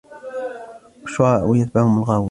والشعراء يتبعهم الغاوون